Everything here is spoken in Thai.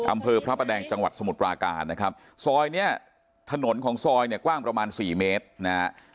อำเภอพระประแดงจังหวัดสมุทรปราการนะครับซอยเนี้ยถนนของซอยเนี่ยกว้างประมาณสี่เมตรนะฮะ